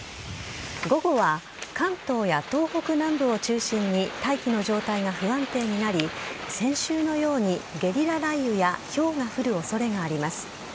午後は、関東や東北南部を中心に大気の状態が不安定になり先週のようにゲリラ雷雨やひょうが降る恐れがあります。